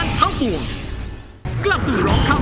ช่วยฝังดินหรือกว่า